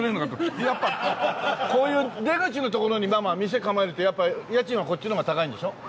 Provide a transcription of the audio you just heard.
やっぱこういう出口のところにママ店構えるとやっぱ家賃はこっちのほうが高いんでしょ？